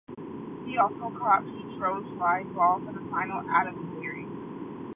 He also caught Pete Rose's fly ball for the final out of the Series.